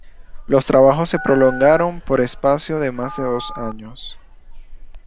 Los trabajos se prolongaron por espacio de más de dos años.